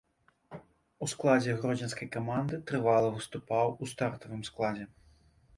У складзе гродзенскай каманды трывала выступаў у стартавым складзе.